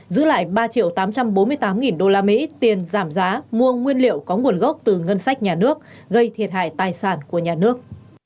giữ lại ba triệu tám trăm bốn mươi tám usd tiền giảm giá mua nguyên liệu có nguồn gốc từ ngân sách nhà nước gây thiệt hại tài sản của nhà nước